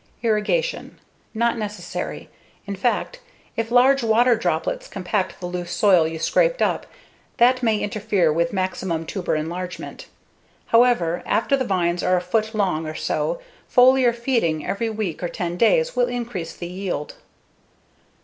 Irrigation: Not necessary. In fact, if large water droplets compact the loose soil you scraped up, that may interfere with maximum tuber enlargement. However, after the vines are a foot long or so, foliar feeding every week or 10 days will increase the yield.